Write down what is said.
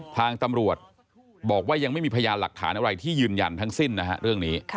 ทางตำรวจบอกว่ายังไม่มีพยานหลักฐานอะไรที่ยืนยันทั้งสิ้นนะฮะเรื่องนี้